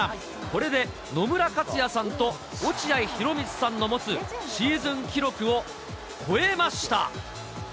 これで野村克也さんと落合博満さんの持つシーズン記録を超えました。